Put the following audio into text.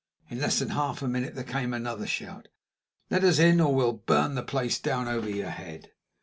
In less than half a minute there came another shout: "Let us in, or we'll burn the place down over your head!"